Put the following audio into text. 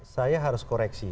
saya harus koreksi